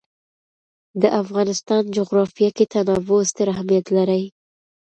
د افغانستان جغرافیه کې تنوع ستر اهمیت لري.